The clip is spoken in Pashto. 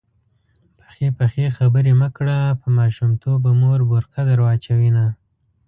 پخې پخې خبرې مه کړه_ په ماشومتوب به مور بورکه در واچوینه